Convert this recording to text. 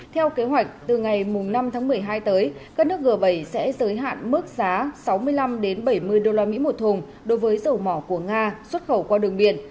theo kế hoạch từ ngày năm tháng một mươi hai tới các nước g bảy sẽ giới hạn mức giá sáu mươi năm bảy mươi usd một thùng đối với dầu mỏ của nga xuất khẩu qua đường biển